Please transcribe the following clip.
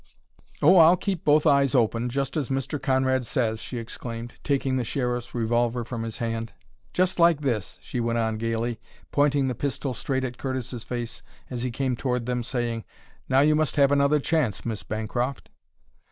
"Oh, I'll keep both eyes open, just as Mr. Conrad says," she exclaimed, taking the Sheriff's revolver from his hand. "Just like this," she went on gayly, pointing the pistol straight at Curtis's face as he came toward them, saying, "Now you must have another chance, Miss Bancroft."